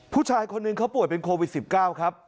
ผู้ชายคนหนึ่งเขาป่วยเป็นโควิด๑๙ครับ